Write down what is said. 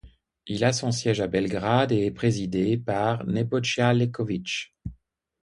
Il a son siège à Belgrade et est présidé par Nebojša Leković.